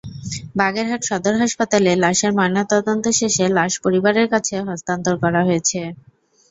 বাগেরহাট সদর হাসপাতালে লাশের ময়নাতদন্ত শেষে লাশ পরিবারের কাছে হস্তান্তর করা হয়েছে।